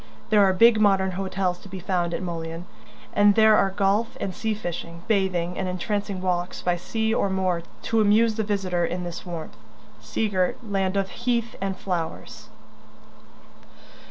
There are big modern hotels to be found at Mullion, and there are golf and sea fishing, bathing, and entrancing walks by sea or moor to amuse the visitor in this warm, sea girt land of heath and flowers.